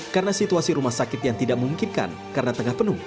karena situasi rumah sakit yang tidak memungkinkan karena tengah penuh